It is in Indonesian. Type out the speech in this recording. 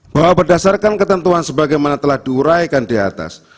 bahwa berdasarkan ketentuan sebagaimana telah diuraikan diatas